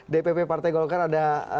dpp partai golkar ada